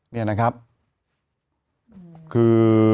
นี่นะครับคือ